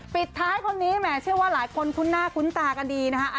ปิดท้ายคนนี้แหมเชื่อว่าหลายคนคุ้นหน้าคุ้นตากันดีนะฮะ